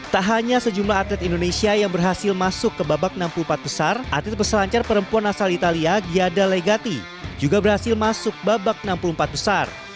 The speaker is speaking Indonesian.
tak hanya sejumlah atlet indonesia yang berhasil masuk ke babak enam puluh empat besar atlet peselancar perempuan asal italia giada legati juga berhasil masuk babak enam puluh empat besar